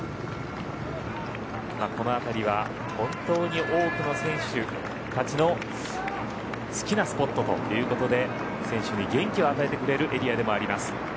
この辺りは本当に多くの選手たちの好きなスポットということで選手に元気を与えてくれるエリアでもあります。